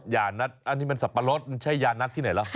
อย่านัทอันนี้มันสัปปะรดใช่อย่านัทที่ไหนล่ะ